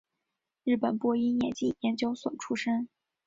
日本播音演技研究所出身。